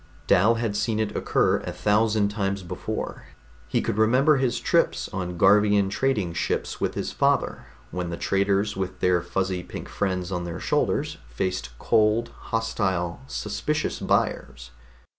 Dal had seen it occur a thousand times before. He could remember his trips on Garvian trading ships with his father, when the traders with their fuzzy pink friends on their shoulders faced cold, hostile, suspicious buyers.